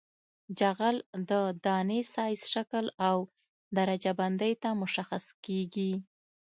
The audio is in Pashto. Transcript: جغل د دانې سایز شکل او درجه بندۍ ته مشخص کیږي